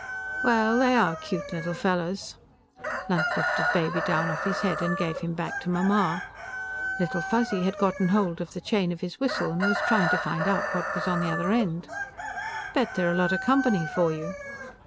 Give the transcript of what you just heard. "Well.... They are cute little fellows." Lunt lifted Baby down off his head and gave him back to Mamma. Little Fuzzy had gotten hold of the chain of his whistle and was trying to find out what was on the other end. "Bet they're a lot of company for you."